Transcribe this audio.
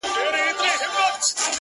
• خدايه هغه زما د کور په لار سفر نه کوي؛